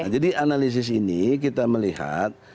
jadi analisis ini kita melihat